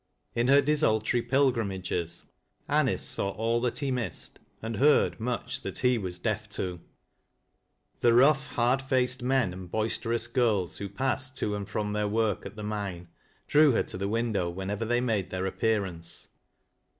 In her desultory pilgrimages, Anice saw all that he missed, and heard much that he was deaf to. The rough, hard faced men and boisterous girls who passed to and from their work at the mine, drew her to the window whenever they made their appearance.